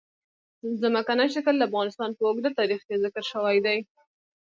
ځمکنی شکل د افغانستان په اوږده تاریخ کې ذکر شوی دی.